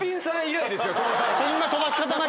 そんな飛ばし方な。